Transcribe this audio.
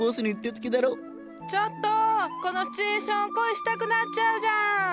ちょっとこのシチュエーション恋したくなっちゃうじゃん。